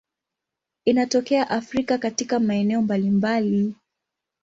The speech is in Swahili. Inatokea Afrika katika maeneo mbalimbali.